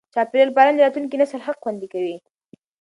چاپېریال پالنه د راتلونکي نسل حق خوندي کوي.